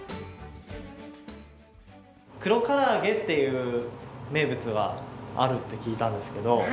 黒から揚げっていう名物があるって聞いたんですけど。